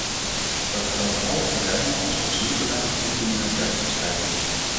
Dat geldt vooral op terreinen als asielbeleid en criminaliteitsbestrijding.